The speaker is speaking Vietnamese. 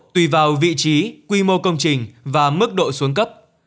tùy vào vị trí quy mô công trình và mức độ xuống cấp